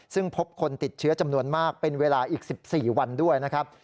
ซึ่งพบคนติดเชื้อจำนวนมากเป็นเวลาอีก๑๔วันด้วยนะครับ